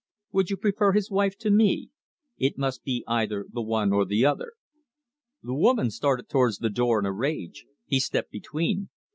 Would you prefer his wife to me? It must be either the one or the other." The woman started towards the door in a rage. He stepped between.